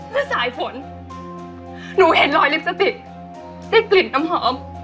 แล้วสายฝนหนูเห็นรอยลิปสติกได้กลิ่นน้ำหอม